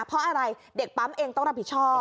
เพราะอะไรเด็กปั๊มเองต้องรับผิดชอบ